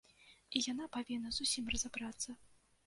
І яна павінна з усім разабрацца.